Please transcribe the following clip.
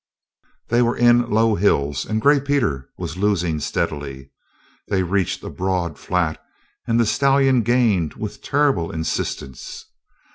They were in low hills, and Gray Peter was losing steadily. They reached a broad flat, and the stallion gained with terrible insistence.